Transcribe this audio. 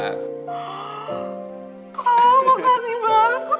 kau makasih banget